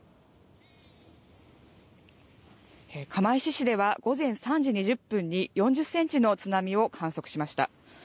釜石市では午前３時２０分に４０センチの津波を観測しました。